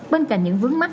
bên cạnh những vướng mắt